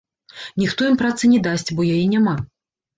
Ніхто ім працы не дасць, бо яе няма.